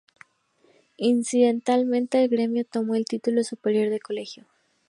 Incidentalmente el gremio tomó el título superior de colegio.